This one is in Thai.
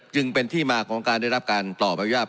จึงเป็นที่มาของการได้รับการตอบอนุญาต